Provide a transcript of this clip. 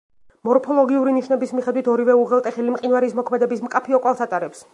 მორფოლოგიური ნიშნების მიხედვით ორივე უღელტეხილი მყინვარის მოქმედების მკაფიო კვალს ატარებს.